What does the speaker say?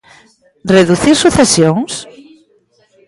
¿Reducir sucesións?